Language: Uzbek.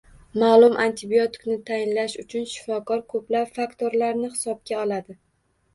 Ma’lum antibiotikni tayinlash uchun shifokor ko‘plab faktorlarni hisobga oladi.